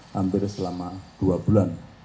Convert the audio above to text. hampir selama dua bulan